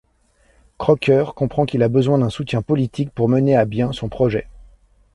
Crocker comprend qu'il a besoin d'un soutien politique pour mener à bien son projet.